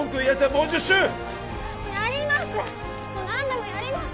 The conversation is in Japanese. もう何でもやります